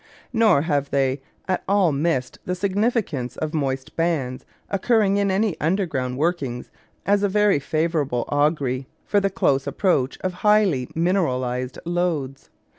Nor have they at all missed the significance of moist bands occurring in any underground workings as a very favourable augury for the close approach of highly mineralised lodes.